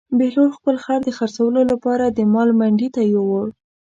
بهلول خپل خر د خرڅولو لپاره د مال منډي ته یووړ.